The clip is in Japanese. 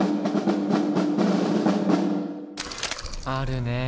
あるね